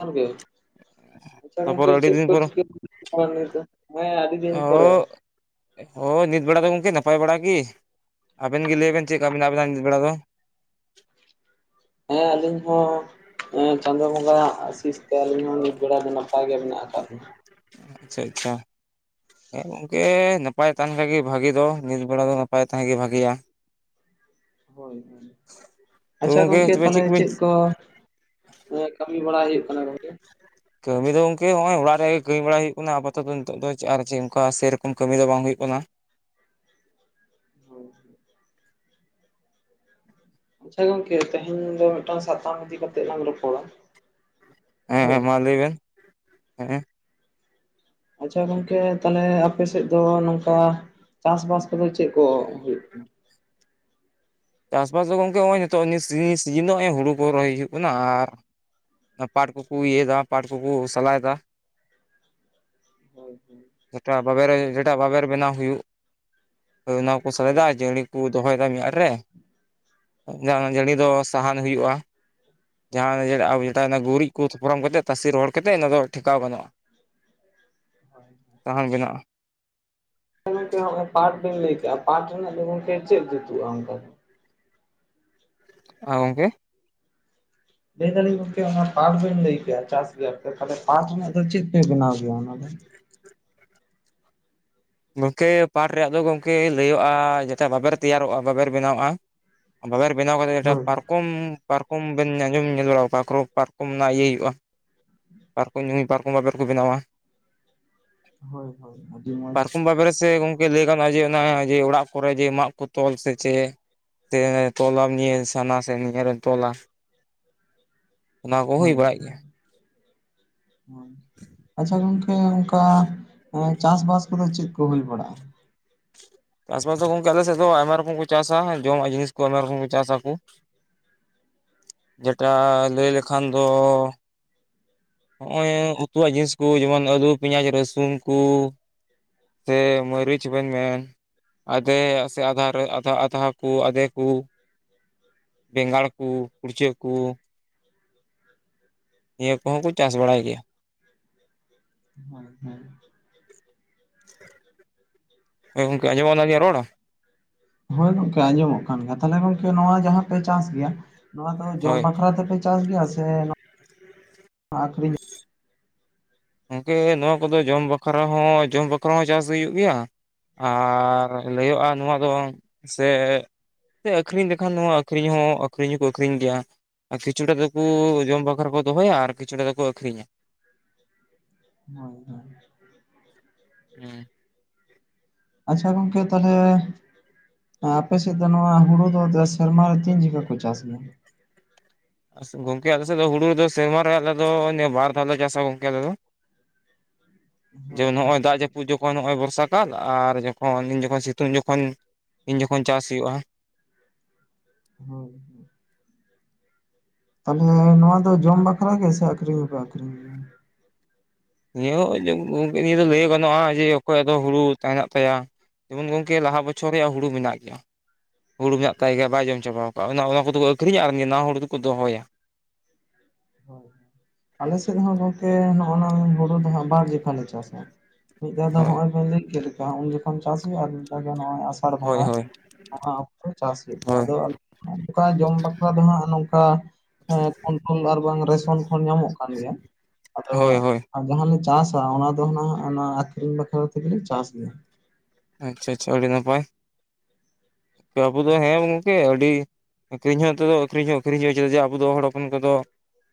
ᱟᱨ ᱜᱮ ᱟᱪᱷᱟ ᱜᱚᱝᱠᱮ ᱛᱟᱯᱚᱨ ᱟᱹᱰᱤ ᱪᱮᱫ ᱫᱤᱱ ᱠᱚ ᱯᱚᱨ ᱪᱤᱠᱟᱹ [inaudible] ᱱᱤᱛ ᱫᱚ ᱦᱮᱸ ᱟᱹᱰᱤ ᱫᱤᱱ ᱯᱚᱨᱮ᱾ ᱚ ᱦᱳᱭ ᱱᱤᱛ ᱵᱮᱲᱟ ᱫᱚ ᱜᱚᱝᱠᱮ ᱱᱟᱯᱟᱭ ᱵᱟᱲᱟ ᱜᱤ, ᱟᱵᱮᱱ ᱜᱮ ᱞᱟᱹᱭ ᱵᱮᱱ ᱪᱮᱠᱟ ᱢᱮᱱᱟᱜ ᱵᱤᱱᱟ ᱱᱤᱛ ᱵᱮᱲᱟ ᱫᱚ᱾ ᱦᱮᱸ ᱟᱹᱞᱤᱧ ᱦᱚᱸ ᱦᱮᱸ ᱪᱟᱸᱫᱳ ᱵᱚᱸᱜᱟ ᱟᱜ ᱟᱥᱤᱥ ᱛᱮ ᱟᱹᱞᱤᱧ ᱦᱚᱸ ᱱᱤᱛ ᱵᱮᱲᱟ ᱫᱚ ᱱᱟᱯᱟᱭ ᱜᱮ ᱢᱮᱱᱟᱜ ᱟᱠᱟᱫ ᱞᱤᱧᱟᱹ᱾ ᱪᱮᱫᱠᱟ᱾ ᱦᱮᱸ ᱜᱚᱝᱠᱮ ᱱᱟᱯᱟᱭ ᱛᱟᱦᱮᱱ ᱠᱷᱟᱡ ᱜᱮ ᱵᱷᱟᱹᱜᱤ ᱫᱚ ᱧᱤᱛ ᱵᱮᱲᱟ ᱫᱚ ᱱᱟᱯᱟᱭ ᱛᱟᱦᱮᱸ ᱜᱮ ᱵᱷᱟᱜᱮᱭᱟ᱾ ᱦᱳᱭ ᱦᱳᱭ ᱛᱚ ᱟᱪᱪᱷᱟ ᱜᱚᱝᱠᱮ ᱛᱚᱵᱮ ᱛᱟᱦᱞᱮ ᱠᱚᱵᱤᱱ ᱪᱮᱫ ᱠᱚ ᱠᱟᱹᱢᱤ ᱵᱟᱲᱟᱭ ᱦᱩᱭᱩᱜ ᱠᱟᱱᱟ ᱜᱚᱝᱠᱮ ᱠᱟᱹᱢᱤ ᱫᱚ ᱜᱚᱝᱠᱮ ᱚᱜ-ᱚᱭ ᱚᱲᱟᱜ ᱨᱮᱜᱮ ᱠᱟᱹᱢᱤ ᱵᱟᱲᱟᱭ ᱦᱩᱭᱩᱜ ᱠᱟᱱᱟ ᱟᱯᱟᱛᱚ ᱱᱤᱛᱚᱜ ᱫᱚ ᱪᱮᱫ ᱟᱨ ᱪᱮᱫ ᱚᱱᱠᱟ ᱥᱮᱨᱚᱠᱚᱢ ᱠᱟᱹᱢᱤ ᱫᱚ ᱵᱟᱝ ᱦᱩᱭᱩᱜ ᱠᱟᱱᱟ [inaudible] ᱟᱪᱪᱷᱟ ᱜᱚᱝᱠᱮ ᱛᱮᱦᱮᱧ ᱫᱚ ᱢᱤᱫᱴᱟᱝ ᱥᱟᱛᱟᱢ ᱤᱫᱤ ᱠᱟᱛᱮᱜ ᱞᱟᱝ ᱨᱚᱯᱚᱲᱟ ᱦᱮᱸ ᱦᱳᱭ ᱦᱮᱸ ᱢᱟ ᱞᱟᱹᱭ ᱵᱮᱱ ᱦᱮᱸ ᱟᱪᱪᱷᱟ ᱜᱚᱝᱠᱮ ᱛᱟᱦᱞᱮ ᱟᱯᱮ ᱥᱮᱫ ᱫᱚ ᱱᱚᱝᱠᱟ ᱪᱟᱥ ᱵᱟᱥ ᱠᱚᱫᱚ ᱪᱮᱫ ᱠᱳ ᱦᱳᱭᱳᱜ ᱠᱟᱱᱟ ᱪᱟᱥ ᱵᱟᱥ ᱫᱚ ᱜᱚᱢᱠᱮ ᱚᱜ-ᱚᱭ ᱱᱤᱛᱚᱜ ᱱᱤᱛ ᱥᱤᱡᱤᱱ ᱱᱚᱜ-ᱚᱭ ᱦᱩᱲᱩ ᱠᱚ ᱨᱚᱦᱚᱭ ᱦᱩᱭᱩᱜ ᱠᱟᱱᱟ ᱟᱨ ᱚᱱᱟ ᱯᱟᱴ ᱠᱚᱠᱚ ᱤᱭᱟᱹᱭ ᱫᱟ ᱯᱟᱴ ᱠᱚᱠᱚ ᱥᱟᱞᱟᱭ ᱫᱟ᱾ ᱦᱳᱭ ᱦᱳᱭ ᱡᱮᱴᱟ ᱟᱹᱰᱤ ᱵᱟᱵᱮᱨ ᱢᱚᱡᱽ ᱡᱮᱴᱟ ᱵᱟᱵᱮᱨ ᱵᱮᱱᱟᱣ ᱦᱩᱭᱩᱜ᱾ ᱦᱳᱭ ᱱᱚᱣᱟ ᱠᱚ ᱥᱟᱞᱟᱭ ᱦᱳᱭ ᱫᱟ ᱟᱨ ᱡᱟᱝᱨᱤ ᱠᱚ ᱫᱚᱦᱚᱭ ᱫᱟ ᱢᱤᱫ ᱟᱨᱤ ᱨᱮ ᱡᱟᱦᱟᱱ ᱡᱟᱹᱲᱤ ᱫᱚ ᱥᱟᱦᱟᱱ ᱦᱩᱭᱩᱜ-ᱟ ᱡᱟᱦᱟᱸ ᱟᱵᱚ ᱡᱮᱴᱟ ᱜᱩᱨᱤᱡ ᱠᱚ ᱛᱷᱚᱯᱨᱟᱢ ᱠᱟᱛᱮᱫ ᱛᱟᱥᱮ ᱨᱚᱦᱚᱲ ᱠᱟᱛᱮᱫ ᱚᱱᱟ ᱫᱚ ᱴᱷᱮᱠᱟᱣ ᱜᱟᱱᱚᱜ-ᱟ [unintelligible] [inaudible] ᱥᱟᱦᱟᱱ ᱵᱮᱱᱟᱜ-ᱟ ᱪᱷᱟ ᱜᱚᱢᱠᱮ ᱯᱟᱴ ᱵᱮᱱ ᱞᱟᱹᱭ ᱠᱟᱜ-ᱟ ᱯᱟᱴ ᱨᱮᱱᱟᱜ ᱫᱚ ᱜᱚᱢᱠᱮ ᱪᱮᱫ ᱡᱩᱛᱩᱜ-ᱟ ᱚᱱᱠᱟ ᱫᱚ ᱟ ᱜᱚᱝᱠᱮ ᱞᱟᱹᱭ ᱫᱟᱞᱤᱧ ᱜᱚᱝᱠᱮ ᱚᱱᱟ ᱯᱟᱴ ᱵᱮᱱ ᱞᱟᱹᱭ ᱠᱮᱭᱟ ᱪᱟᱥ ᱜᱮᱭᱟ ᱯᱮ ᱛᱟᱦᱚᱞᱮ ᱯᱟᱴ ᱨᱮᱱᱟᱜ ᱫᱚ ᱪᱮᱫ ᱯᱮ ᱵᱮᱱᱟᱣ ᱜᱮᱭᱟ ᱚᱱᱟ ᱫᱚ ᱜᱚᱝᱠᱮ ᱯᱟᱴ ᱨᱮᱭᱟᱜ ᱫᱚ ᱜᱚᱝᱠᱮ ᱞᱟᱹᱭᱟᱹᱜ-ᱟ ᱡᱮᱴᱟ ᱵᱟᱵᱮᱨ ᱛᱮᱭᱟᱨᱚᱜ-ᱟ ᱵᱟᱵᱮᱨ ᱵᱮᱱᱟᱣ-ᱟ ᱵᱟᱵᱮᱨ ᱵᱮᱱᱟᱣ ᱠᱟᱛᱮᱫ ᱡᱮᱴᱟ ᱦᱳᱭ ᱯᱟᱨᱠ ᱠᱚᱢ ᱯᱟᱨᱠᱚᱢ ᱵᱮᱱ ᱟᱸᱡᱚᱢ ᱧᱮᱞ ᱵᱟᱲᱟ ᱯᱟᱨᱠᱚᱢ ᱯᱟᱨᱠᱚᱢ ᱨᱮᱱᱟᱜ ᱤᱭᱟᱹ ᱦᱩᱭᱩᱜ-ᱟ ᱯᱟᱨᱠᱚᱢ ᱧᱩᱭ ᱯᱟᱨᱠᱚᱢ ᱵᱟᱵᱮᱨ ᱠᱚ ᱵᱮᱱᱟᱣᱟ ᱦᱳᱭ ᱦᱳᱭ ᱟᱹᱰᱤ ᱢᱚᱸᱡᱽ ᱪᱮ ᱜᱚᱝᱠᱮ ᱞᱟᱹᱭ ᱜᱟᱱᱚᱜ-ᱟ ᱡᱮ ᱚᱱᱟ ᱡᱮ ᱚᱲᱟᱜ ᱠᱚᱨᱮ ᱡᱮ ᱢᱟᱜ ᱠᱚ ᱛᱚᱞ ᱥᱮ ᱪᱮ ᱛᱮ ᱛᱚᱞᱟᱢ ᱱᱤᱭᱟᱹ ᱥᱟᱢᱱᱟ ᱥᱮᱢᱱᱤ ᱱᱤᱭᱟᱹ ᱨᱮᱢ ᱛᱚᱞᱟ ᱚᱱᱟ ᱠᱩ ᱦᱩᱭ ᱦᱳᱭ ᱵᱟᱲᱟᱜ ᱜᱮᱭᱟ ᱦᱳᱭ ᱟᱪᱪᱷᱟ ᱜᱚᱝᱠᱮ ᱚᱱᱠᱟ ᱮ ᱪᱟᱥ ᱵᱟᱥ ᱠᱚᱫᱚ ᱪᱮᱫ ᱠᱚ ᱦᱩᱭ ᱵᱟᱲᱟᱜ-ᱟ ᱪᱟᱥ ᱵᱟᱥ ᱫᱚ ᱜᱚᱝᱠᱮ ᱟᱞᱮ ᱥᱮᱫ ᱫᱚ ᱟᱭᱢᱟ ᱨᱚᱠᱚᱢ ᱠᱚ ᱪᱟᱥᱟ ᱡᱚᱢᱟᱜ ᱡᱤᱱᱤᱥ ᱠᱚ ᱟᱭᱢᱟ ᱨᱚᱠᱚᱢ ᱠᱚ ᱪᱟᱥ ᱟᱠᱚ ᱡᱮᱴᱟ ᱞᱟᱹᱭ ᱞᱮᱠᱷᱟᱱ ᱫᱚ ᱚᱜ-ᱚᱭ ᱩᱛᱩᱣᱟᱜ ᱡᱤᱱᱤᱥ ᱠᱚ ᱡᱮᱢᱚᱱ ᱟᱹᱞᱩ ᱯᱮᱸᱭᱟᱡᱽ ᱨᱟᱹᱥᱩᱱ ᱠᱚ ᱥᱮ ᱢᱟᱹᱨᱤᱪ ᱵᱮᱸᱜᱟᱲ ᱟᱫᱷᱮᱭᱟᱜ ᱥᱮ ᱟᱫᱷᱟ ᱨᱮ ᱟᱫᱷᱟ ᱟᱫᱷᱟ ᱠᱚ ᱟᱫᱮ ᱠᱩ ᱵᱮᱸᱜᱟᱲ ᱠᱩ ᱠᱩᱲᱪᱟᱹ ᱠᱩ ᱱᱤᱭᱟᱹ ᱠᱚᱦᱚᱸ ᱪᱟᱥ ᱵᱟᱲᱟᱭ ᱜᱮᱭᱟ ᱦᱳᱭ ᱦᱳᱭ ᱮ ᱜᱚᱝᱠᱮ ᱟᱸᱡᱚᱢ [inaudible] ᱦᱳᱭ ᱜᱚᱝᱠᱮ ᱟᱸᱡᱚᱢᱚᱜ ᱠᱟᱱ ᱜᱮᱭᱟ ᱛᱟᱦᱞᱮ ᱜᱚᱝᱠᱮ ᱱᱚᱣᱟ ᱡᱟᱦᱟᱸ ᱯᱮ ᱪᱟᱥ ᱜᱮᱭᱟ ᱱᱚᱣᱟ ᱫᱚ ᱡᱚᱢ ᱦᱳᱭ ᱵᱟᱠᱷᱨᱟ ᱛᱮᱯᱮ ᱪᱟᱥ ᱜᱮᱭᱟ ᱥᱮ ᱱᱚᱜ ᱟᱹᱠᱷᱨᱤᱧ ᱜᱚᱝᱠᱮ ᱱᱚᱣᱟ ᱠᱚᱫᱚ ᱡᱚᱢ ᱵᱟᱠᱷᱨᱟ ᱦᱚᱸ ᱡᱚᱢ ᱵᱟᱠᱷᱨᱟ ᱦᱚᱸ ᱪᱟᱥ ᱦᱩᱭᱩᱜ ᱜᱮᱭᱟ ᱟᱨ ᱞᱟᱹᱭᱟᱹᱜ-ᱟ ᱱᱚᱣᱟ ᱫᱚ ᱥᱮ ᱥᱮ ᱟᱹᱠᱷᱨᱤᱧ ᱞᱮᱠᱷᱟᱱ ᱱᱚᱣᱟ ᱟᱹᱠᱷᱨᱤᱧ ᱦᱚᱸ ᱟᱹᱠᱷᱨᱤᱧ ᱦᱚᱸᱠᱚ ᱟᱹᱠᱷᱨᱤᱧ ᱜᱮᱭᱟ ᱟᱨ ᱠᱤᱪᱷᱩᱴᱟ ᱫᱚᱠᱚ ᱡᱚᱢ ᱵᱟᱠᱷᱨᱟ ᱠᱚ ᱫᱚᱦᱚᱭᱟ ᱟᱨ ᱠᱤᱪᱷᱩᱴᱟ ᱫᱚᱠᱚ ᱟᱹᱠᱷᱨᱤᱧᱟ ᱦᱳᱭ ᱦᱳᱭ [unintelligible] ᱦᱮᱸ ᱟᱪᱪᱷᱟ ᱜᱚᱝᱠᱮ ᱛᱟᱦᱚᱞᱮᱼᱼ ᱮ ᱟᱯᱮᱥᱮᱫ ᱫᱚ ᱱᱚᱣᱟ ᱦᱩᱲᱩ ᱫᱚ ᱥᱮᱨᱢᱟᱨᱮ ᱛᱤᱱ ᱡᱮᱠᱷᱟ ᱯᱮ ᱪᱟᱥ ᱜᱮᱭᱟ? ᱜᱚᱝᱠᱮ ᱟᱞᱮ ᱥᱮᱫ ᱫᱚ ᱦᱩᱲᱩᱫᱚ ᱥᱮᱨᱢᱟ ᱨᱮ ᱟᱞᱮ ᱫᱚ ᱱᱮ ᱵᱟᱨ ᱫᱷᱟᱣᱞᱮ ᱪᱟᱥᱟ ᱜᱚᱝᱠᱮ ᱟᱞᱮ ᱫᱚ ᱾ ᱡᱮ ᱦᱳᱭ ᱱᱚᱸᱜᱼᱚᱭ ᱫᱟᱜ ᱡᱟ. ᱯᱩᱫ ᱡᱚᱠᱷᱚᱱ ᱱᱚᱜᱼᱚᱭ ᱵᱚᱨᱥᱟ ᱠᱟᱞ ᱟᱨ ᱡᱚᱠᱷᱚᱱ, ᱡᱚᱠᱷᱚᱱ ᱥᱤᱛᱩᱝ ᱡᱚᱠᱷᱚᱱ ᱤᱱ ᱡᱚᱠᱷᱚᱱ ᱪᱟᱥ ᱦᱩᱭᱩᱜᱼᱟ ᱾ ᱦᱚᱭ ᱛᱟᱦᱞᱮ ᱱᱚᱣᱟ ᱫᱚ ᱡᱚᱢ ᱵᱟᱠᱷᱨᱟ ᱜᱮ, ᱥᱮ ᱟᱹᱠᱷᱨᱤᱧ ᱦᱚᱸᱯᱮ ᱟᱹᱠᱷᱨᱤᱧ ᱜᱮᱭᱟ? ᱱᱤᱭᱟᱹ ᱦᱚᱸ ᱡᱮ ᱜᱚᱝᱠᱮ ᱱᱤᱭᱟᱹ ᱫᱚ ᱞᱟᱹᱭ ᱜᱟᱱᱚᱜᱼᱟ ᱡᱮ ᱚᱠᱚᱭᱟᱜ ᱫᱚ ᱦᱩᱲᱩ ᱛᱟᱦᱮᱱᱚᱜ ᱛᱟᱭᱟ ᱾ ᱡᱮᱢᱚᱱ ᱜᱚᱝᱠᱮ ᱞᱟᱦᱟ ᱵᱚᱪᱷᱚᱨ ᱨᱮᱭᱟᱜ ᱦᱩᱲᱩ ᱢᱮᱱᱟᱜ ᱜᱮᱭᱟ ᱾ ᱦᱩᱲᱩ ᱢᱮᱱᱟᱜ ᱛᱟᱭ ᱜᱮᱭᱟ ᱵᱟᱭ ᱡᱚᱢ ᱪᱟᱵᱟᱣ ᱟᱠᱟᱜᱼᱟ ᱚᱱᱟ ᱚᱱᱟ ᱠᱚᱫᱚᱠᱚ ᱟᱹᱠᱷᱨᱤᱧᱟ ᱟᱨ ᱱᱤᱭᱟᱹ ᱱᱟᱣᱟ ᱦᱩᱲᱩ ᱫᱚᱠᱚ ᱫᱚᱦᱚᱭᱟ ᱾ ᱦᱳᱭ, ᱟᱞᱮ ᱥᱮᱫ ᱦᱚᱸ ᱜᱚᱝᱠᱮ ᱱᱚᱜ ᱱᱚᱣᱟ ᱦᱩᱲᱩ ᱫᱚᱦᱟᱸᱜ ᱵᱟᱨ ᱡᱮᱠᱷᱟ ᱞᱮ ᱪᱟᱥᱟ ᱾ ᱢᱤᱫ ᱫᱷᱟᱹᱣ ᱫᱚ ᱦᱳᱭ ᱱᱚᱜᱼᱚᱭ ᱵᱮᱱ ᱞᱟᱹᱭ ᱠᱮᱫ ᱞᱮᱠᱟ ᱩᱱ ᱡᱚᱠᱷᱚᱱ ᱪᱟᱥ ᱦᱩᱭᱩᱜᱼᱟ, ᱟᱨ ᱢᱤᱫ ᱫᱷᱟᱹᱣ ᱫᱚ ᱱᱚᱜᱼᱚᱭ ᱟᱥᱟᱲ ᱦᱳᱭ ᱵᱚᱸᱜᱟ ᱦᱳᱭ ᱾ ᱚᱱᱟ ᱚᱠᱛᱚ ᱪᱟᱥ ᱦᱩᱭᱩᱜ ᱜᱮᱭᱟ, ᱦᱳᱭ ᱟᱫᱚ ᱚᱱᱠᱟ ᱡᱚᱢ ᱵᱟᱠᱷᱨᱟ ᱫᱚ ᱦᱟᱸᱜ ᱱᱚᱝᱠᱟᱼᱼ ᱦᱮᱸ ᱠᱚᱱᱴᱨᱳᱞ ᱟᱨ ᱵᱟᱝ ᱨᱮᱥᱚᱱ ᱠᱷᱚᱱ ᱧᱟᱢᱚᱜ ᱠᱟᱱ ᱜᱮᱭᱟ, ᱦᱳᱭ ᱦᱳᱭ ᱟᱫᱚᱼᱼ ᱟᱨ ᱡᱟᱦᱟᱸᱞᱮ ᱪᱟᱥᱟ ᱚᱱᱟ ᱫᱚ ᱦᱩᱱᱟᱹᱝ ᱚᱱᱟ ᱟᱹᱠᱷᱨᱤᱧ ᱵᱟᱠᱷᱨᱟ ᱛᱮᱜᱮᱞᱮ ᱪᱟᱥ ᱜᱮᱭᱟ ᱾ ᱟᱪᱪᱷᱟ ᱟᱪᱪᱷᱟ ᱟᱹᱰᱤ ᱱᱟᱯᱟᱭ ᱾ ᱟᱵᱚ ᱫᱚ ᱦᱮᱸ ᱜᱚᱝᱠᱮ ᱟᱹᱰᱤᱼᱼ ᱟᱹᱠᱷᱨᱤᱧ ᱦᱚᱸ ᱱᱮᱛᱚᱜ-ᱫᱚ ᱟᱹᱠᱷᱨᱤᱧ ᱦᱚᱸ ᱟᱹᱠᱷᱨᱤᱧᱚᱜᱼᱟ ᱪᱮᱫᱟᱜ ᱡᱮ ᱟᱵᱚ ᱫᱚ ᱦᱚᱲ ᱦᱚᱯᱚᱱ ᱠᱚᱫᱚᱼᱼ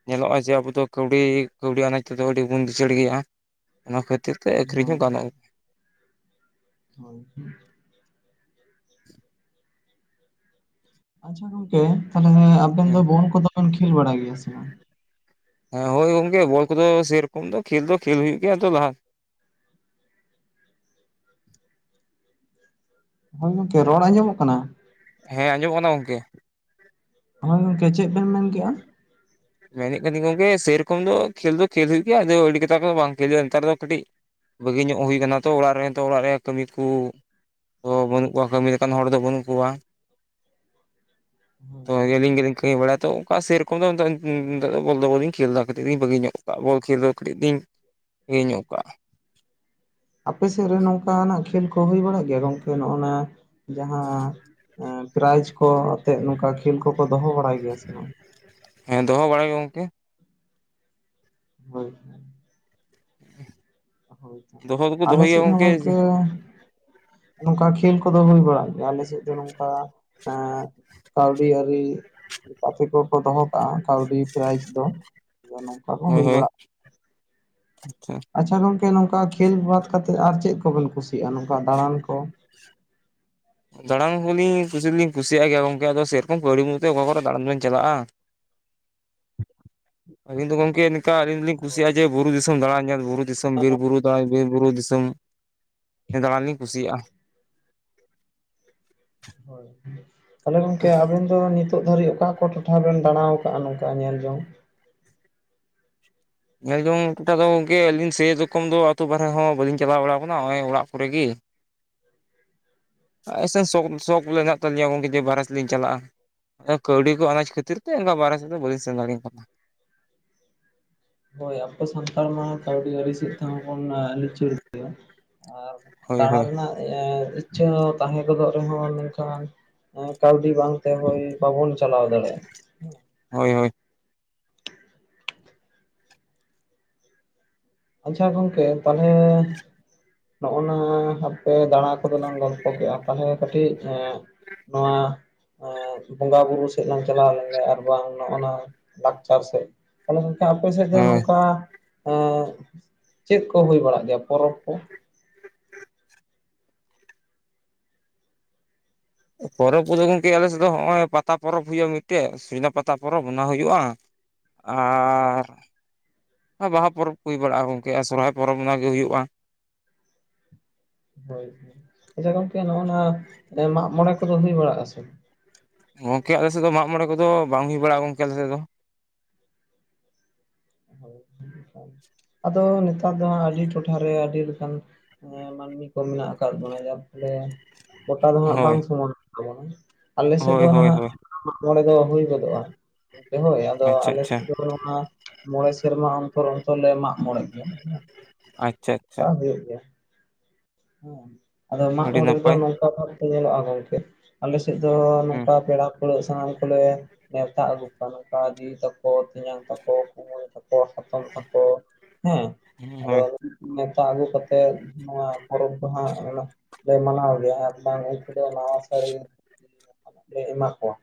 ᱧᱮᱞᱚᱜᱼᱟ ᱡᱮ ᱟᱵᱚ ᱫᱚ ᱠᱟᱹᱣᱰᱤ, ᱠᱟᱹᱣᱰᱤ ᱟᱱᱟᱡᱽ ᱛᱮᱫᱚ ᱟᱹᱰᱤᱵᱚᱱ ᱞᱤᱪᱟᱹᱲ ᱜᱮᱭᱟ ᱾ ᱚᱱᱟ ᱠᱷᱟᱹᱛᱤᱨ ᱛᱮ ᱟᱹᱠᱷᱨᱤᱧ ᱦᱳᱭ ᱦᱚᱸ ᱜᱟᱱᱚᱜ-ᱟ ᱾ ᱦᱳᱭ ᱟᱪᱪᱷᱟ ᱜᱚᱝᱠᱮ ᱛᱟᱦᱞᱮ ᱟᱵᱮᱱ ᱫᱚ ᱦᱮᱸ ᱵᱚᱞ ᱠᱚᱫᱚ ᱵᱮᱱ ᱠᱷᱮᱞ ᱵᱟᱲᱟᱭ ᱜᱮᱭᱟ ᱥᱮ ᱵᱟᱝ? ᱦᱮᱸ ᱦᱳᱭ ᱜᱚᱝᱠᱮ ᱵᱚᱞ ᱠᱚᱫᱚ ᱥᱮᱨᱚᱠᱚᱢ ᱫᱚ ᱠᱷᱮᱞ ᱫᱚ ᱠᱷᱮᱞ ᱦᱩᱭᱩᱜ ᱜᱮᱭᱟ, ᱛᱚ ᱞᱟᱦᱟᱼᱼ ᱦᱳᱭ ᱜᱚᱢᱠᱮ ᱨᱚᱲ ᱟᱸᱡᱚᱢᱚᱜ ᱠᱟᱱᱟ? ᱦᱮᱸ ᱟᱸᱡᱚᱢᱚᱜ ᱠᱟᱱᱟ ᱜᱚᱝᱠᱮ ᱾ ᱦᱚᱭ ᱜᱚᱝᱠᱮ ᱪᱮᱫ ᱵᱮᱱ ᱢᱮᱱ ᱠᱮᱫᱼᱟ? ᱢᱮᱱᱮᱫ ᱠᱟᱱᱤᱧ ᱜᱚᱝᱠᱮ, ᱥᱮᱨᱚᱠᱚᱢ ᱫᱚ ᱠᱷᱮᱞ ᱫᱚ ᱠᱷᱮᱞ ᱦᱩᱭᱩᱜ ᱜᱮᱭᱟ ᱟᱫᱚ ᱟᱹᱰᱤ ᱠᱟᱛᱟ ᱠᱚ ᱵᱟᱝ ᱠᱷᱮᱞ ᱦᱩᱭᱩᱜᱼᱟ, ᱱᱮᱛᱟᱨ ᱫᱚ ᱠᱟᱹᱴᱤᱡᱼᱼ ᱵᱟᱹᱜᱤ ᱧᱚᱜ ᱦᱩᱭ ᱟᱠᱟᱱᱟ ᱛᱚ ᱚᱲᱟᱜ ᱨᱮ ᱱᱮᱛᱚᱜ ᱚᱲᱟᱜ ᱨᱮᱭᱟᱜ ᱠᱟᱹᱢᱤ ᱠᱚᱼᱼ ᱦᱚᱲ ᱦᱚᱸ ᱵᱟᱹᱱᱩᱜ ᱠᱚᱣᱟ ᱠᱟᱹᱢᱤ ᱞᱮᱠᱟᱱ ᱦᱚᱲ ᱫᱚ ᱵᱟᱹᱱᱩᱜ ᱠᱚᱣᱟ ᱾ ᱦᱳᱭ᱾ ᱛᱚ ᱟᱹᱞᱤᱧ ᱜᱮᱞᱤᱧ ᱠᱟᱹᱢᱤ ᱵᱟᱲᱟᱭ ᱛᱚ, ᱚᱱᱠᱟ ᱥᱮᱨᱮᱠᱚᱢ ᱫᱚ ᱱᱤᱛᱚᱜᱼᱼ ᱱᱤᱛᱚᱜ ᱫᱚ ᱵᱚᱞ ᱫᱚ ᱵᱟᱹᱞᱤᱧ ᱠᱷᱮᱞ ᱮᱫᱟ, ᱠᱟᱹᱴᱤᱡ ᱞᱤᱧ ᱵᱟᱹᱜᱤ ᱧᱚᱜ ᱠᱟᱜᱼᱟ ᱵᱚᱞ ᱠᱷᱮᱞ ᱫᱚ ᱠᱟᱹᱴᱤᱡ ᱞᱤᱧ ᱤᱭᱟᱹ ᱧᱚᱜ ᱠᱟᱜᱼᱟ ᱾ [inaudible] ᱟᱯᱮ ᱥᱮᱫ ᱨᱮ ᱱᱚᱝᱠᱟᱱᱟᱜ ᱠᱷᱮᱞ ᱠᱚ ᱦᱩᱭ ᱵᱟᱲᱟᱜ ᱜᱮᱭᱟ ᱜᱚᱝᱠᱮ ᱱᱚᱜ ᱱᱚᱣᱟ ᱡᱟᱦᱟᱸᱼᱼ ᱯᱨᱟᱭᱤᱡᱽ ᱠᱚ ᱟᱛᱮᱜ ᱱᱚᱝᱠᱟ ᱠᱷᱮᱞ ᱠᱚᱠᱚ ᱫᱚᱦᱚ ᱵᱟᱲᱟᱭ ᱜᱮᱭᱟ ᱥᱮ ᱵᱟᱝ? ᱦᱮᱸ ᱫᱚᱦᱚ ᱵᱟᱲᱟ ᱜᱮ ᱜᱚᱝᱠᱮ ᱾ ᱦᱳᱭ [inaudible] ᱦᱳᱭᱛᱚ, ᱫᱚᱦᱚ ᱫᱚᱠᱚ ᱟᱞᱮ ᱫᱚᱦᱚᱭ ᱜᱮᱭᱟ ᱥᱮᱫ ᱦᱚᱸ ᱜᱚᱝᱠᱮ ᱜᱚᱝᱠᱮᱼᱼ ᱱᱚᱝᱠᱟ ᱠᱷᱮᱞ ᱠᱚᱫᱚ ᱦᱩᱭ ᱵᱟᱲᱟᱜ ᱜᱮᱭᱟ, ᱟᱞᱮ ᱥᱮᱫ ᱫᱚ ᱱᱚᱝᱠᱟᱼᱼ ᱟᱨ, ᱠᱟᱹᱣᱰᱤ ᱟᱹᱨᱤᱼᱼ ᱜᱟᱛᱮ ᱠᱚᱠᱚ ᱫᱚᱦᱚ ᱠᱟᱜᱼᱟ ᱠᱟᱹᱣᱰᱤ ᱯᱨᱟᱭᱤᱡᱽ ᱫᱚ, ᱡᱮᱼᱼ ᱦᱳᱭ ᱦᱳᱭ, ᱟᱪᱪᱷᱟᱼᱼ ᱟᱪᱪᱷᱟ ᱜᱚᱝᱠᱮ ᱱᱚᱝᱠᱟ ᱠᱷᱮᱞ ᱵᱟᱫᱽ ᱠᱟᱛᱮᱫ ᱟᱨ ᱪᱮᱫ ᱠᱚᱵᱮᱱ ᱠᱩᱥᱤᱭᱟᱜᱼᱟ? ᱱᱚᱝᱠᱟ ᱫᱟᱬᱟᱱ ᱠᱚ? ᱫᱟᱬᱟᱱ ᱦᱚᱸᱞᱤᱧ ᱠᱩᱥᱤ ᱫᱚ ᱞᱤᱧ ᱠᱩᱥᱤᱭᱟᱜ ᱜᱮᱭᱟ ᱜᱚᱝᱠᱮ, ᱟᱫᱚ ᱥᱮᱨᱚᱠᱚᱢ ᱠᱟᱹᱣᱲᱤ ᱢᱩᱛᱮ ᱚᱠᱟ ᱠᱚᱨᱮ ᱫᱟᱬᱟᱱ ᱵᱮᱱ ᱪᱟᱞᱟᱜᱼᱟ ᱾ ᱟᱹᱞᱤᱧ ᱫᱚ ᱜᱚᱢᱠᱮ ᱱᱮᱝᱠᱟ ᱟᱹᱞᱤᱧ ᱫᱚᱞᱤᱧ ᱦᱳᱭ ᱠᱩᱥᱤᱭᱟᱜ-ᱟ ᱡᱮ ᱵᱩᱨᱩ ᱫᱤᱥᱚᱢ ᱫᱟᱬᱟᱱ ᱧᱮᱞ ᱵᱩᱨᱩ ᱫᱤᱥᱚᱢ ᱵᱤᱨ ᱵᱩᱨᱩᱼᱼ ᱦᱚᱭ ᱵᱤᱨ ᱵᱩᱨᱩ ᱫᱤᱥᱚᱢ ᱦᱮᱸ ᱫᱟᱬᱟᱱ ᱞᱤᱧ ᱠᱩᱥᱤᱭᱟᱜᱼᱟ ᱦᱚᱭ ᱛᱟᱦᱚᱞᱮ ᱜᱚᱝᱠᱮ ᱟᱵᱤᱱ ᱫᱚ ᱱᱤᱛᱼᱼ ᱱᱤᱛᱚᱜ ᱫᱷᱟᱹᱨᱤᱡ ᱚᱠᱟ ᱠᱚ ᱴᱚᱴᱷᱟ ᱵᱮᱱ ᱫᱟᱬᱟ ᱟᱠᱟᱫᱼᱟ ᱱᱚᱝᱠᱟ ᱧᱮᱞ ᱡᱚᱝᱼᱼ ᱧᱮᱞ ᱡᱚᱝ ᱴᱚᱴᱷᱟ ᱫᱚ ᱜᱚᱝᱠᱮ ᱟᱹᱞᱤᱧ ᱥᱮᱨᱚᱠᱚᱢ ᱫᱚ ᱟᱹᱛᱩ ᱵᱟᱨᱦᱮ ᱦᱚᱸ ᱵᱟᱹᱞᱤᱧ ᱪᱟᱞᱟᱣ ᱵᱟᱲᱟ ᱟᱠᱟᱱᱟ ᱱᱚᱜ ᱚᱭ ᱚᱲᱟᱜ ᱠᱚᱨᱮᱜ ᱜᱮᱼᱼ ᱟᱥ ᱥᱮ ᱥᱚᱠ ᱥᱚᱠ ᱢᱮᱱᱟᱜ ᱛᱟᱹᱞᱤᱧᱟ ᱜᱚᱝᱠᱮ ᱡᱮ ᱵᱟᱨᱦᱮ ᱥᱮᱫ ᱞᱤᱧ ᱪᱟᱞᱟᱜᱼᱟ ᱠᱟᱹᱣᱰᱤ ᱠᱚ ᱟᱱᱟᱡ ᱠᱷᱟᱹᱛᱤᱨ ᱛᱮ ᱚᱱᱠᱟ ᱵᱟᱨᱦᱮ ᱥᱮᱫ ᱫᱚ ᱵᱟᱹᱞᱤᱧ ᱥᱮᱱ ᱫᱟᱲᱮ ᱠᱟᱣᱫᱟ ᱾ ᱦᱳᱭ ᱟᱵᱚ ᱥᱟᱱᱛᱟᱲ ᱢᱟ ᱠᱟᱹᱣᱰᱤ ᱟᱹᱨᱤ ᱥᱮᱫ ᱛᱮᱦᱚᱸ ᱵᱚᱱ ᱞᱤᱪᱟᱨ ᱜᱮᱭᱟ ᱾ ᱟᱨ ᱦᱳᱭ ᱫᱟᱬᱟ ᱦᱳᱭ ᱨᱮᱱᱟᱜ ᱤᱪᱪᱷᱟᱹ ᱛᱟᱦᱮᱸ ᱜᱚᱫᱚᱜ ᱨᱮ ᱦᱚᱸ ᱢᱮᱱ ᱠᱷᱟᱱ, ᱠᱟᱹᱣᱰᱤ ᱵᱟᱝ ᱛᱮ ᱦᱳᱭ ᱵᱟᱵᱚᱱ ᱪᱟᱞᱟᱣ ᱫᱟᱲᱮᱭᱟᱜᱼᱟ ᱾ ᱦᱳᱭ ᱦᱳᱭ ᱾ ᱟᱪᱪᱷᱟ ᱜᱚᱝᱠᱮ ᱛᱟᱦᱚᱞᱮ, ᱱᱚᱜ ᱱᱟ ᱟᱯᱮ ᱫᱟᱬᱟ ᱠᱚᱫᱚ ᱞᱟᱝ ᱜᱚᱞᱯᱚ ᱠᱮᱜᱼᱟ ᱛᱟᱦᱚᱞᱮ ᱠᱟᱹᱴᱤᱡ ᱮᱸᱼᱼ ᱱᱚᱣᱟᱼᱼ ᱵᱚᱸᱜᱟ ᱵᱩᱨᱩ ᱥᱮᱫ ᱞᱟᱝ ᱪᱟᱞᱟᱣ ᱞᱮᱱ ᱜᱮ ᱟᱨ ᱵᱟᱝ ᱱᱚᱜ ᱱᱟ ᱞᱟᱠᱪᱟᱨ ᱥᱮᱫ ᱾ ᱛᱟᱦᱚᱞᱮ ᱜᱚᱢᱠᱮ ᱟᱯᱮ ᱥᱮᱫ ᱫᱚ ᱦᱳᱭ ᱱᱚᱝᱠᱟ ᱮᱸ ᱪᱮᱫ ᱠᱚ ᱦᱩᱭ ᱵᱟᱲᱟᱜ ᱜᱮᱭᱟ ᱯᱚᱨᱚᱵᱽ ᱠᱚ ᱾ ᱯᱚᱨᱚᱵᱽ ᱠᱚᱫᱚ ᱜᱚᱢᱠᱮ ᱟᱞᱮ ᱥᱮᱫ ᱫᱚ ᱦᱚᱸᱜᱼᱚᱭ ᱯᱟᱛᱟ ᱯᱚᱨᱚᱵᱽ ᱦᱩᱭᱩᱜᱼᱟ ᱢᱤᱫᱴᱮᱡ ᱥᱚᱡᱽᱱᱟ ᱯᱟᱛᱟ ᱯᱚᱨᱚᱵᱽ ᱚᱱᱟ ᱦᱩᱭᱩᱜᱼᱟ ᱾ ᱟᱨᱻ ᱵᱟᱦᱟ ᱯᱚᱨᱚᱵᱽ ᱠᱚ ᱦᱩᱭ ᱵᱟᱲᱟᱜᱼᱟ ᱜᱚᱢᱠᱮ ᱟᱨ ᱥᱚᱨᱦᱟᱭ ᱯᱚᱨᱚᱵᱽ ᱚᱱᱟ ᱜᱮ ᱦᱩᱭᱩᱜᱼᱟ ᱾ ᱦᱳᱭ ᱟᱪᱪᱷᱟ ᱜᱚᱝᱠᱮ ᱱᱚᱜ ᱱᱟ ᱢᱟᱜ ᱢᱚᱬᱮ ᱠᱚᱫᱚ ᱦᱩᱭ ᱵᱟᱲᱟᱜᱼᱟ ᱥᱮ? ᱜᱚᱢᱠᱮ ᱟᱞᱮ ᱥᱮᱫ ᱫᱚ ᱢᱟᱜ ᱢᱚᱬᱮ ᱠᱚ ᱫᱚ ᱵᱟᱝ ᱦᱩᱭ ᱵᱟᱲᱟᱜᱼᱟ ᱜᱚᱢᱠᱮ ᱟᱞᱮ ᱥᱮᱫ ᱫᱚ ᱾ [unintelligible] [inaudible] ᱟᱫᱚ ᱱᱮᱛᱟᱨ ᱫᱚ ᱦᱟᱸᱜ ᱟᱹᱰᱤ ᱴᱚᱴᱷᱟ ᱨᱮ ᱟᱹᱰᱤ ᱞᱮᱠᱟᱱ, ᱦᱮᱸ ᱢᱟᱹᱱᱢᱤ ᱠᱚ ᱢᱮᱱᱟᱜ ᱟᱠᱟᱫ ᱵᱚᱱᱟ ᱡᱟᱨ ᱯᱷᱚᱞᱮ ᱜᱚᱴᱟ ᱫᱚ ᱦᱟᱸᱜ ᱵᱟᱝ ᱦᱳᱭ ᱥᱚᱢᱟᱱ ᱛᱟᱵᱚᱱᱟ ᱾ ᱟᱞᱮ ᱥᱮᱫ ᱫᱚ ᱦᱳᱭ ᱦᱳᱭ ᱱᱟᱦᱟᱜ ᱦᱳᱭ ᱢᱟᱜ ᱢᱚᱬᱮ ᱫᱚ ᱦᱩᱭ ᱜᱚᱫᱚᱜᱼᱟ ᱾ ᱦᱳᱭ ᱟᱫᱚ ᱟᱪᱪᱷᱟ ᱟᱞᱮ ᱟᱪᱪᱷᱟ ᱥᱮᱫ ᱫᱚ ᱱᱚᱣᱟ ᱢᱚᱬᱮ ᱥᱮᱨᱢᱟ, ᱚᱱᱛᱚᱨ ᱚᱱᱛᱚᱨ ᱞᱮ ᱢᱟᱜ ᱢᱚᱲᱮ ᱜᱮᱭᱟ ᱟᱪᱪᱷᱟ ᱟᱪᱪᱷᱟ ᱚᱱᱠᱟ ᱦᱩᱭᱩᱜ ᱜᱮᱭᱟ ᱾ ᱦᱮᱸ ᱟᱫᱚ ᱢᱟᱜ ᱟᱹᱰᱤ ᱢᱚᱬᱮ ᱨᱮ ᱫᱚ ᱱᱟᱯᱟᱭ ᱱᱚᱝᱠᱟ ᱵᱷᱟᱵ ᱛᱮ ᱧᱮᱞᱚᱜᱼᱟ ᱜᱚᱝᱠᱮ, ᱟᱞᱮ ᱥᱮᱫ ᱫᱚ ᱦᱩᱸ ᱱᱚᱝᱠᱟ ᱯᱮᱲᱟᱼᱼ [unintelligible] ᱥᱟᱱᱟᱢ ᱠᱚᱞᱮ ᱱᱮᱣᱛᱟ ᱟᱹᱜᱩ ᱠᱚᱣᱟ ᱱᱚᱝᱠᱟ ᱫᱤ ᱛᱟᱠᱚ ᱛᱮᱭᱟᱝ ᱛᱟᱠᱚ ᱾ ᱠᱩᱢᱟᱝ ᱛᱟᱠᱚ ᱦᱟᱛᱚᱢ ᱛᱟᱠᱚ ᱦᱮᱸ ᱟᱫᱚ ᱦᱳᱭ ᱱᱮᱣᱛᱟ ᱟᱹᱜᱩ ᱠᱟᱛᱮᱜ ᱾ ᱱᱚᱣᱟ ᱯᱚᱨᱚᱵᱽ ᱫᱚ ᱦᱟᱸᱜ ᱚᱱᱟ ᱫᱚ ᱢᱟᱱᱟᱣ ᱜᱮᱭᱟ ᱟᱨ ᱵᱟᱝ, [unintelligible] ᱱᱟᱣᱟ ᱥᱟᱹᱲᱤ ᱞᱮ ᱮᱢᱟ ᱠᱚᱣᱟ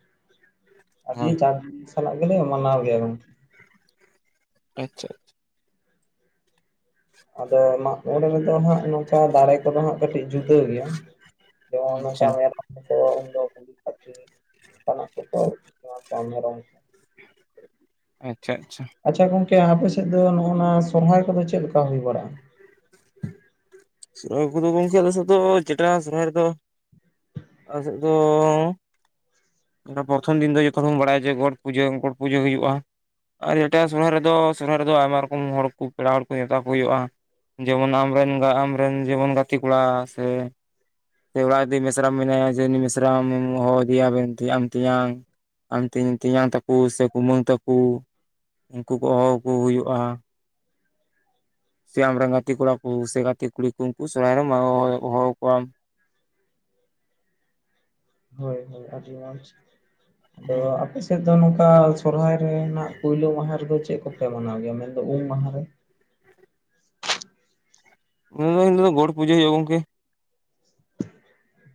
ᱟᱹᱰᱤ ᱦᱳᱭ ᱪᱟᱱᱼᱼ ᱥᱟᱱᱟᱜ ᱜᱮᱞᱮ ᱢᱟᱱᱟᱣ ᱜᱮᱭᱟ ᱜᱚᱝᱠᱮ ᱾ ᱟᱪᱪᱷᱟ ᱾ ᱟᱫᱚ ᱢᱟ, ᱱᱚᱰᱮ ᱨᱮ ᱫᱚ ᱦᱟᱸᱜ ᱱᱚᱝᱠᱟ ᱫᱟᱲᱮ ᱠᱚ ᱫᱚ ᱦᱟᱸᱜ ᱠᱟᱹᱴᱤᱡ ᱡᱩᱫᱟᱹ ᱜᱮᱭᱟ ᱡᱮᱢᱚᱱ ᱱᱚᱝᱠᱟ ᱟᱪᱪᱷᱟ ᱢᱮᱨᱚᱢ, [unintelligible] ᱟᱪᱪᱷᱟ ᱟᱪᱪᱷᱟ ᱾ ᱟᱪᱪᱷᱟ ᱜᱚᱝᱠᱮ ᱟᱯᱮ ᱥᱮᱫ ᱫᱚ ᱱᱚᱜᱼᱱᱟ ᱥᱚᱨᱦᱟᱭ ᱠᱚ ᱫᱚ ᱪᱮᱫ ᱞᱮᱠᱟ ᱦᱩᱭ ᱵᱟᱲᱟᱜᱼᱟ ᱾ [unintelligible] ᱪᱮᱴᱟ ᱥᱚᱨᱚᱦᱟᱭ ᱨᱮᱫᱚ, ᱟᱥᱮᱫ ᱫᱚᱼᱼ ᱯᱨᱚᱛᱷᱚᱢ ᱫᱤᱱ ᱫᱚ ᱡᱚᱛᱚ ᱦᱚᱲᱚᱱ ᱵᱟᱲᱟᱭᱟ ᱡᱮ ᱜᱚᱴ ᱯᱩᱡᱟᱹ ᱜᱚᱴ ᱯᱩᱡᱟᱹ ᱦᱩᱭᱩᱜᱼᱟ ᱾ ᱟᱨ ᱮᱴᱟᱜ ᱥᱚᱨᱦᱟᱭ ᱨᱮᱫᱚ ᱥᱚᱨᱦᱟᱭ ᱨᱮᱫᱚ ᱟᱭᱢᱟ ᱨᱚᱠᱚᱢ ᱦᱚᱲ ᱠᱚ ᱯᱮᱲᱟ ᱦᱚᱲ ᱠᱚ ᱱᱮᱣᱛᱟ ᱠᱚ ᱦᱩᱭᱩᱜᱼᱟ ᱾ ᱡᱮᱢᱚᱱ ᱟᱢ ᱨᱮᱱ ᱟᱢ ᱨᱮᱱ ᱡᱮᱢᱚᱱ ᱜᱟᱛᱮ ᱠᱚᱲᱟ ᱥᱮ, ᱥᱮ ᱚᱲᱟᱜᱤ ᱢᱮᱤᱥᱨᱟᱟᱢ ᱢᱮᱱᱟᱭᱟ ᱡᱮ ᱩᱱᱤ ᱢᱤᱥᱨᱟᱟᱢ ᱦᱚᱦᱚ ᱟᱫᱮᱭᱟ ᱢᱮᱱ ᱛᱮ ᱟᱢ ᱛᱮᱧᱟᱝ, ᱟᱢ ᱛᱮᱧᱟᱝ ᱛᱟᱠᱚ ᱥᱮ ᱠᱩᱢᱟᱹᱝ ᱛᱟᱠᱚ ᱩᱱᱠᱩ ᱠᱚ ᱦᱚᱦᱚᱣᱟᱠᱚ ᱦᱩᱭᱩᱜᱼᱟ ᱾ ᱥᱮ ᱟᱢᱨᱮᱱ ᱜᱟᱛᱮ ᱠᱚᱲᱟ ᱠᱚ ᱥᱮ ᱜᱟᱛᱮ ᱠᱩᱲᱤ ᱠᱚ ᱩᱱᱠᱩ ᱥᱚᱨᱦᱟᱭ ᱨᱮ ᱦᱚᱦᱚᱣᱟ ᱠᱚᱣᱟᱢ ᱾ ᱦᱳᱭ ᱦᱳᱭ ᱟᱹᱰᱤ ᱢᱚᱸᱡᱽ ᱟᱫᱚ ᱟᱯᱮᱥᱮᱫ, ᱥᱮᱫ ᱫᱚ ᱱᱚᱝᱠᱟ ᱥᱚᱨᱦᱟᱭ ᱨᱮᱱᱟᱜ ᱯᱩᱭᱞᱳ ᱢᱟᱦᱟ ᱨᱮᱫᱚ ᱪᱮᱫ ᱠᱚᱯᱮ ᱢᱟᱱᱟᱣ ᱜᱮᱭᱟ ᱢᱮᱱᱫᱚ ᱩᱢ ᱢᱟᱦᱟ ᱨᱮ? ᱩᱱ ᱫᱚ ᱤᱞᱳ ᱫᱚ ᱜᱚᱰ ᱯᱩᱡᱟᱹ ᱦᱩᱭᱩᱜᱳᱼᱟ ᱜᱚᱝᱠᱮ ᱾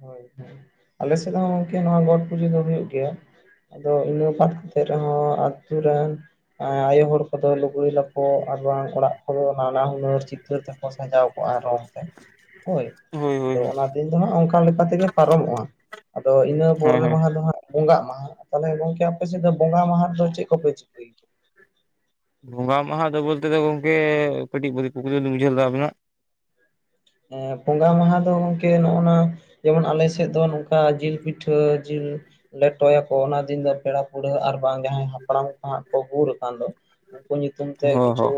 ᱦᱳᱭ ᱦᱳ ᱟᱞᱮᱥᱮᱫ ᱦᱚᱸ ᱜᱚᱝᱠᱮ ᱱᱚᱣᱟ ᱜᱚᱴ ᱯᱩᱡᱟᱹ ᱫᱚ ᱦᱩᱭᱩᱜ ᱜᱮᱭᱟ ᱾ ᱟᱫᱚ ᱤᱱᱟᱹ ᱵᱟᱛ ᱠᱟᱛᱮ ᱨᱮᱦᱚᱸ ᱟᱛᱳ ᱨᱮᱱ, ᱟᱭᱳ ᱦᱚᱲ ᱠᱚᱫᱚ ᱞᱩᱜᱽᱲᱤ ᱞᱟᱯ ᱟᱨᱵᱟᱝ ᱚᱲᱟᱜ ᱠᱚᱫᱚ ᱱᱟᱱᱟ ᱦᱩᱱᱟᱹᱨ ᱪᱤᱛᱟᱹᱨ ᱛᱮᱠᱚ ᱥᱟᱡᱟᱣ ᱨᱚᱝ ᱛᱮ ᱦᱳᱭ ᱦᱳᱭ ᱦᱳᱭ ᱟᱫᱚ ᱚᱱᱟ ᱫᱤᱱ ᱫᱚ ᱦᱟᱸᱜ ᱞᱮᱠᱟᱛᱮᱜᱮ ᱯᱟᱨᱚᱢᱚᱜᱼᱟ ᱟᱫᱚ ᱤᱱᱟᱹ ᱦᱳᱭ ᱯᱚᱨᱮᱨ ᱦᱳᱭ ᱢᱟᱦᱟ ᱫᱚ ᱦᱟᱸᱜ ᱵᱚᱸᱜᱟᱜ ᱢᱟᱦᱟ ᱛᱟᱦᱚᱞᱮ ᱜᱚᱢᱠᱮ ᱟᱯᱮᱥᱮᱫ ᱫᱚ ᱵᱚᱸᱜᱟ ᱢᱟᱦᱟ ᱨᱮᱫᱚ ᱪᱮᱫ ᱠᱚᱯᱮ ᱪᱤᱠᱟᱹᱭᱟ ᱵᱚᱸᱜᱟ ᱢᱟᱦᱟ ᱫᱚ ᱵᱚᱞᱛᱮ ᱫᱚ ᱜᱚᱝᱠᱮ ᱠᱟᱹᱴᱤᱡ ᱠᱩᱠᱞᱤ ᱫᱚᱞᱤᱧ ᱵᱩᱡᱷᱟᱹᱣ ᱞᱮᱫᱟ ᱟᱵᱤᱱᱟᱜ ᱵᱚᱸᱜᱟ ᱢᱟᱦᱟ ᱫᱚ ᱜᱚᱝᱠᱮ ᱱᱚᱜᱼᱚᱱᱟ ᱡᱮᱢᱚᱱ ᱟᱞᱮ ᱥᱮᱫ ᱫᱚ ᱱᱚᱝᱠᱟ ᱡᱤᱞ ᱯᱤᱴᱷᱟᱹ ᱡᱤᱞ ᱞᱮᱴᱚᱭᱟᱠᱚ ᱚᱱᱟ ᱫᱤᱱ ᱫᱚ ᱯᱮᱲᱟ ᱯᱟᱹᱲᱦᱟᱹ ᱟᱨ ᱵᱟᱝ ᱡᱟᱦᱟᱸᱭ ᱦᱟᱯᱲᱟᱢ ᱠᱚ ᱦᱟᱸᱜ ᱠᱚ ᱜᱩᱨ ᱟᱠᱟᱱ ᱫᱚ ᱩᱱᱠᱩ ᱧᱩᱛᱩᱢ ᱛᱮ ᱦᱚᱸ ᱠᱤᱪᱷᱩ ᱦᱚᱸ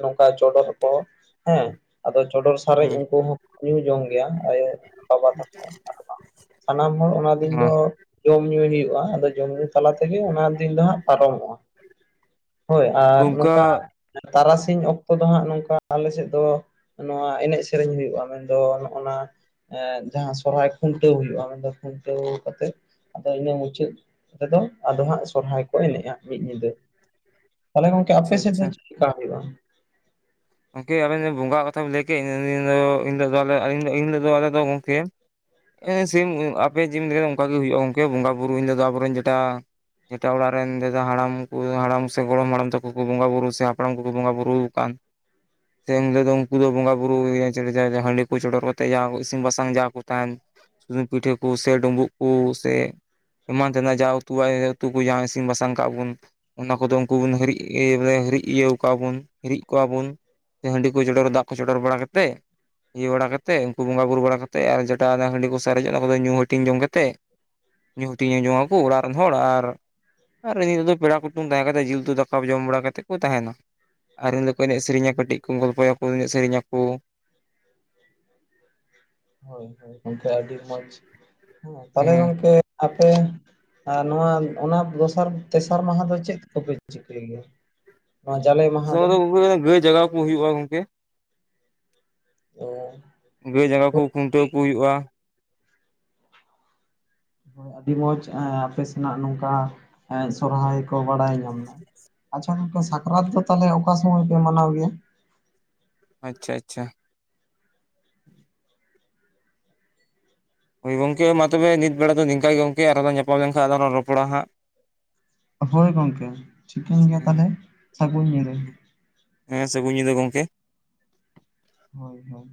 ᱱᱚᱝᱠᱟ ᱪᱚᱰᱚᱨ ᱠᱚ ᱦᱮᱸ ᱟᱫᱚ ᱪᱚᱰᱚᱨ ᱥᱟᱨᱮᱡ ᱦᱮᱸ ᱩᱱᱠᱩ ᱦᱚᱸᱠᱚ ᱧᱩ ᱡᱚᱢ ᱜᱮᱭᱟ ᱟᱭᱳ ᱵᱟᱵᱟ ᱛᱟᱠᱚ ᱟᱨ ᱵᱟᱝ ᱥᱟᱱᱟᱢ ᱦᱚᱲ ᱚᱱᱟ ᱫᱤᱱ ᱦᱚᱸ ᱫᱚ ᱡᱚᱢᱧᱩᱭ ᱦᱩᱭᱩᱜᱼᱟ ᱟᱫᱚ ᱡᱚᱢ ᱧᱩ ᱛᱟᱞᱟ ᱛᱮᱜᱮ ᱚᱱᱟ ᱫᱤᱱ ᱫᱚ ᱦᱟᱸᱜ ᱯᱟᱨᱚᱢᱚᱜᱼᱟ ᱦᱳᱭ ᱟᱨ ᱚᱱᱠᱟ ᱱᱚᱝᱠᱟ ᱛᱟᱨᱟᱥᱤᱧ ᱚᱠᱛᱚ ᱫᱚ ᱦᱟᱸᱜ ᱱᱚᱝᱠᱟ ᱟᱞᱮ ᱥᱮᱫ ᱫᱚ ᱱᱚᱣᱟ ᱮᱱᱮᱡ ᱥᱮᱨᱮᱧ ᱦᱩᱭᱩᱜᱼᱟ ᱢᱮᱱᱫᱚ ᱱᱚᱜᱼᱱᱟ ᱡᱟᱦᱟᱸ ᱥᱚᱨᱦᱟᱭ ᱠᱷᱩᱱᱴᱟᱹᱣ ᱦᱩᱭᱩᱜᱼᱟ ᱢᱮᱱ ᱫᱚ ᱠᱷᱩᱱᱴᱟᱹᱣ ᱠᱟᱛᱮᱜ ᱟᱫᱚ ᱤᱱᱟᱹ ᱢᱩᱪᱟᱹᱫ ᱨᱮᱫᱚ ᱟᱫᱚ ᱦᱟᱸᱜ ᱥᱚᱨᱦᱟᱭ ᱠᱚ ᱮᱱᱮᱡᱼᱟ ᱢᱤᱫ ᱧᱤᱫᱟᱹ ᱛᱟᱞᱦᱮ ᱜᱚᱝᱠᱮ ᱟᱯᱮ ᱟᱪᱪᱷᱟ ᱥᱮᱫ ᱫᱚ ᱟᱪᱪᱷᱟ ᱪᱮᱫ ᱠᱟ ᱦᱩᱭᱩᱜ ᱟ ᱜᱚᱢᱠᱮ ᱟᱵᱮᱱ ᱵᱚᱸᱜᱟ ᱠᱟᱛᱷᱟᱢ ᱞᱟᱹᱭ ᱠᱮᱫ ᱮᱱᱦᱤᱞᱳᱜ ᱫᱚ ᱟᱞᱮᱫᱚ ᱜᱚᱢᱠᱮ ᱥᱤᱢ ᱟᱯᱮ ᱡᱮᱢ ᱞᱟᱹᱭᱠᱮᱫᱟ ᱚᱱᱠᱟᱜ ᱜᱮ ᱦᱩᱭᱩᱜᱼᱟ ᱜᱚᱢᱠᱮ ᱵᱚᱸᱜᱟᱼᱵᱩᱨᱩ ᱤᱧ ᱫᱚ ᱟᱵᱚᱨᱮᱱ ᱡᱮᱴᱟ ᱡᱮᱴᱟ ᱚᱲᱟᱜ ᱨᱮᱱ ᱫᱟᱫᱟ ᱦᱟᱲᱟᱢ ᱠᱚ ᱦᱟᱲᱟᱢ ᱥᱮ ᱜᱚᱲᱚᱢ ᱦᱟᱲᱟᱢ ᱛᱟᱠᱚ ᱠᱚ ᱵᱚᱸᱜᱟ ᱵᱩᱨᱩ ᱥᱮ ᱦᱟᱯᱲᱟᱢ ᱠᱚᱠᱚ ᱵᱚᱸᱜᱟ ᱵᱩᱨᱩ ᱟᱠᱟᱱ ᱥᱮᱱ ᱦᱤᱞᱳ ᱫᱚ ᱩᱱᱠᱩ ᱫᱚ ᱵᱚᱸᱜᱟ ᱵᱩᱨᱩ ᱦᱟᱺᱰᱤ ᱠᱚ ᱪᱚᱰᱚᱨ ᱠᱟᱛᱮᱜ ᱡᱟ ᱤᱥᱤᱱ ᱵᱟᱥᱟᱝ ᱡᱟ ᱠᱚ ᱛᱟᱦᱮᱱ ᱥᱩᱩᱱᱢ ᱯᱤᱴᱷᱟᱹ ᱠᱚ ᱥᱮ ᱰᱩᱸᱵᱩᱜ ᱠᱚ ᱥᱮ ᱮᱢᱟᱱ ᱛᱮᱱᱟᱜ ᱡᱟ ᱩᱛᱩ ᱩᱛᱩ ᱠᱚ ᱡᱟ ᱤᱥᱤᱱ ᱵᱟᱥᱟᱝ ᱠᱟᱜᱼᱟ ᱵᱚᱱ ᱚᱱᱟ ᱠᱚᱫᱚ ᱩᱱᱠᱩ ᱵᱩᱱ ᱦᱤᱨᱤᱜ ᱦᱤᱨᱤᱜ ᱤᱭᱟᱹ ᱠᱚᱣᱟ ᱵᱩᱱ ᱦᱤᱨᱤᱜ ᱪᱤᱫ ᱠᱚᱣᱟ ᱵᱚᱱ ᱦᱟᱺᱰᱤ ᱠᱚ ᱪᱚᱰᱚᱨ ᱫᱟᱜ ᱠᱚ ᱪᱚᱰᱚᱨ ᱵᱟᱲᱟ ᱠᱟᱛᱮᱫ ᱤᱭᱟᱹ ᱵᱟᱲᱟ ᱠᱟᱛᱮᱫ ᱩᱱᱠᱩ ᱵᱚᱸᱜᱟ ᱵᱩᱨᱩ ᱵᱟᱲᱟ ᱠᱟᱛᱮᱫ ᱟᱨ ᱡᱮᱴᱟ ᱚᱱᱟ ᱦᱟᱺᱰᱤ ᱠᱚ ᱥᱟᱨᱮᱡᱚᱜᱼᱟ ᱚᱱᱟ ᱠᱚᱫᱚ ᱧᱩ ᱦᱟᱹᱴᱤᱧ ᱡᱚᱢ ᱠᱟᱛᱮᱫ ᱧᱩ ᱦᱟᱴᱤᱤᱧ ᱟᱡᱚᱝ ᱟᱠᱚ ᱚᱲᱟᱜ ᱨᱮᱱ ᱦᱚᱲ ᱟᱨ ᱟᱨ ᱱᱤᱛᱳᱚᱜ ᱫᱚ ᱯᱮᱲᱟ ᱠᱩᱴᱩᱢ ᱛᱟᱦᱮᱸ ᱠᱟᱛᱮ ᱡᱤᱞᱩᱛᱩ ᱫᱟᱠᱟ ᱡᱚᱢ ᱵᱟᱲᱟ ᱠᱟᱛᱮᱫ ᱠᱚ ᱛᱟᱦᱮᱱᱟ ᱟᱨ ᱩᱱᱦᱤᱞᱚᱜ ᱫᱚᱠᱚ ᱮᱱᱮᱡ ᱥᱮᱨᱮᱧᱟ ᱠᱟᱹᱴᱤᱡ ᱠᱚ ᱜᱚᱞᱯᱚᱭᱟ ᱮᱱᱮᱡ ᱥᱮᱨᱮᱧᱟᱠᱚ ᱦᱳᱭ ᱦᱳᱭ ᱜᱚᱝᱠᱮ ᱟᱹᱰᱤ ᱢᱚᱡᱽ ᱛᱟᱦᱚᱞᱮ ᱦᱮᱸ ᱜᱚᱝᱠᱮ ᱟᱯᱮ ᱟᱨ ᱱᱚᱣᱟ ᱚᱱᱟ ᱫᱚᱥᱟᱨ ᱛᱮᱥᱟᱨ ᱢᱟᱦᱟ ᱫᱚ ᱪᱮᱫ ᱠᱚᱯᱮ ᱪᱤᱠᱟᱹᱭ ᱜᱮᱭᱟ ᱱᱚᱣᱟ ᱡᱟᱞᱮ ᱢᱟᱦᱟ ᱫᱚ ᱜᱚᱢᱠᱮ ᱜᱟᱹᱭ ᱡᱟᱜᱟᱣ ᱠᱚ ᱦᱩᱭᱩᱜᱼᱟ ᱜᱚᱢᱠᱮ ᱚᱻ ᱜᱟᱹᱭ ᱡᱟᱜᱸᱟᱣ ᱠᱚ ᱠᱷᱩᱱᱴᱟᱹᱣ ᱠᱚ ᱦᱩᱭᱩᱜᱼᱟ᱾ ᱟᱹᱰᱤ ᱢᱚᱸᱡᱽ ᱮ ᱟᱯᱮ ᱥᱮᱱᱟᱜ ᱱᱚᱝᱠᱟ ᱥᱚᱨᱦᱟᱭ ᱠᱚ ᱵᱟᱲᱟᱭ ᱧᱟᱢ ᱱᱟ᱾ ᱟᱪᱪᱷᱟ ᱜᱚᱢᱠᱮ ᱥᱟᱠᱨᱟᱛ ᱫᱚ ᱛᱟᱦᱚᱞᱮ ᱚᱠᱟ ᱥᱚᱢᱚᱭ ᱯᱮ ᱢᱟᱱᱟᱣ ᱜᱮᱭᱟ? ᱟᱪᱪᱷᱟ ᱟᱪᱪᱷᱟ ᱦᱚᱳ ᱜᱚᱢᱠᱮ ᱢᱟ ᱛᱚᱵᱮ ᱱᱤᱛ ᱵᱮᱲᱟ ᱫᱚ ᱱᱚᱝᱠᱟᱱ ᱜᱮ ᱜᱚᱢᱠᱮ ᱟᱨᱦᱚ ᱞᱟᱸᱧ ᱧᱟᱯᱟᱢ ᱞᱮᱱᱠᱷᱟᱱ ᱟᱨᱚ ᱞᱟᱸᱧ ᱨᱚᱯᱚᱲᱟ ᱦᱟᱸᱜ᱾ ᱦᱳᱭ ᱜᱚᱢᱠᱮ ᱴᱷᱤᱠᱟᱹᱱ ᱜᱮᱭᱟ ᱛᱟᱦᱚᱞᱮ ᱥᱟᱹᱜᱩᱱ ᱧᱤᱫᱟᱹ᱾ ᱦᱮᱸ ᱥᱟᱹᱜᱩᱱ ᱧᱤᱫᱟᱹ ᱜᱚᱢᱠᱮ ᱦᱳᱭ ᱦᱳᱭ